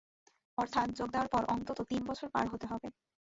অর্থাৎ যোগ দেওয়ার পর অন্তত তিন বছর পার হতে হবে।